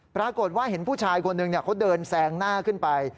ปรากฏว่าเห็นผู้ชายคนหนึ่งเขาเดินแซงหน้าขึ้นไป